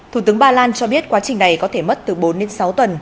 thủ tướng ba lan cho biết quá trình này có thể mất từ bốn đến sáu tuần